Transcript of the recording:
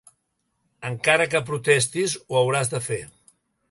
Encara que protestis, ho hauràs de fer.